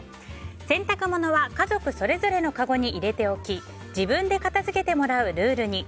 洗濯物は家族それぞれのかごに入れておき自分で片づけてもらうルールに。